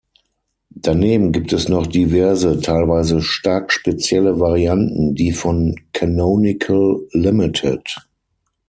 Daneben gibt es noch diverse, teilweise stark spezielle Varianten, die von Canonical Ltd.